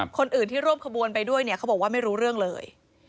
คนอื่นที่ร่วมขบวนไปด้วยเนี่ยเขาบอกว่าไม่รู้เรื่องเลย